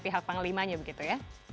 pihak panglimanya begitu ya